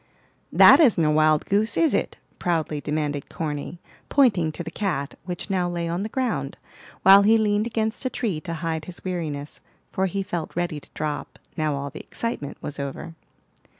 "That isn't a wild goose, is it?" proudly demanded Corny, pointing to the cat, which now lay on the ground, while he leaned against a tree to hide his weariness; for he felt ready to drop, now all the excitement was over.